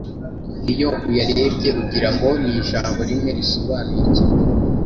Iyo uyarebye ugira ngo ni ijambo rimwe risobanuye kimwe